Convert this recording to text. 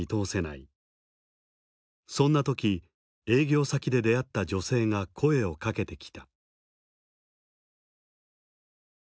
そんな時営業先で出会った女性が声をかけてきた。